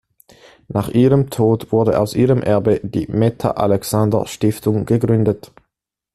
Nach ihrem Tod wurde aus ihrem Erbe die Meta-Alexander-Stiftung gegründet.